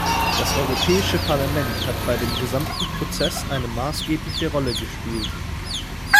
Das Europäische Parlament hat bei dem gesamten Prozess eine maßgebliche Rolle gespielt.